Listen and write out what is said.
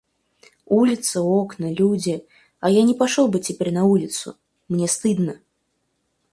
Улица, окна, люди, а я не пошел бы теперь на улицу — мне стыдно.